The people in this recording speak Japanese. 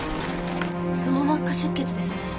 くも膜下出血ですね。